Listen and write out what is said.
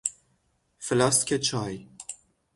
فلاسک چای